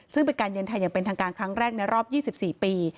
ซึ่งเป็นการเยือนไทยอย่างเป็นทางการครั้งแรกในรอบ๒๔ปี